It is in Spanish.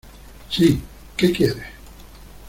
¡ sí!... ¿ qué quieres?